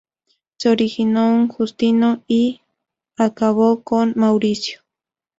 Se originó con Justino I y acabó con Mauricio.